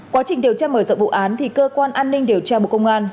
quá trình điều tra mở rộng vụ án thì cơ quan an ninh điều tra bộ công an